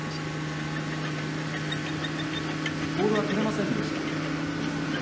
ボールはとれませんでした。